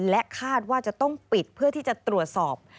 และคาดว่าจะต้องปิดเพื่อที่จะตรวจสอบ